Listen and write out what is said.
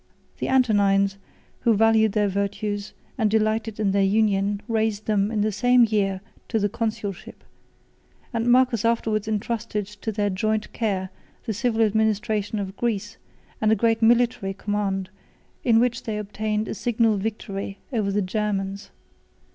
The Antonines, who valued their virtues, and delighted in their union, raised them, in the same year, to the consulship; and Marcus afterwards intrusted to their joint care the civil administration of Greece, and a great military command, in which they obtained a signal victory over the Germans.